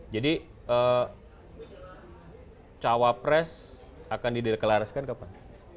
jadi cawapres akan dideklarasikan kapan